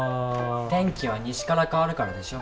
天気は西から変わるからでしょ。